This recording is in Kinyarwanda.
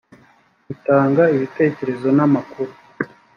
atanga ibitekerezo n ‘amakuru.